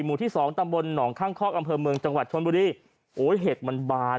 ที่สองตำบลหนองข้างคอกอำเภอเมืองจังหวัดชนบุรีโอ้เห็ดมันบาน